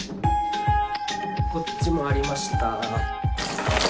こっちもありました。